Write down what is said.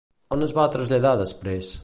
On es va traslladar després?